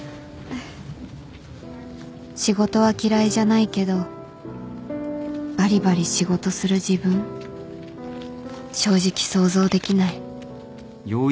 仕事は嫌いじゃないけどばりばり仕事する自分正直想像できない